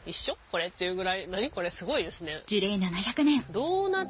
これ」っていうぐらい何これすごいですね。